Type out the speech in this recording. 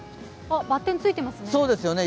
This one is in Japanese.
バッテンついてますね。